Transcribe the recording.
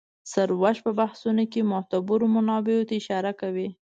سروش په بحثونو کې معتبرو منابعو ته اشاره کوي.